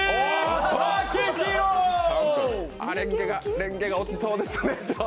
れんげが落ちそうです。